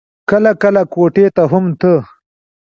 کله کله کوټې ته هم ته.